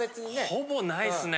ほぼないですね